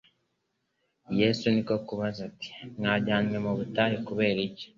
Yesu niko kubaza ati: "Mwajyanywe mu butayu kureba iki?